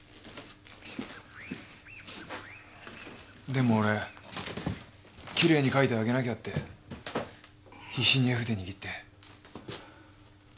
でも俺きれいに描いてあげなきゃって必死に絵筆握って。